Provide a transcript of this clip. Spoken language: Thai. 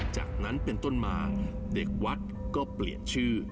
จากนั้นเป็นต้นมาเด็กวัดก็เปลี่ยนชื่อ